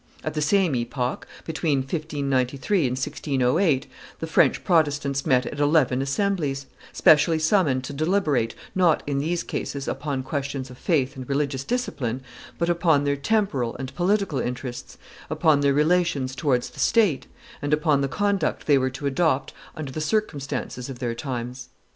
At the same epoch, between 1593 and 1608, the French Protestants met at eleven assemblies, specially summoned to deliberate, not in these cases upon questions of faith and religious discipline, but upon their temporal and political interests, upon their relations towards the state, and upon the conduct they were to adopt under the circumstances of their times.